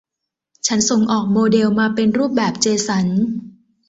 ฉันส่งออกโมเดลมาเป็นรูปแบบเจสัน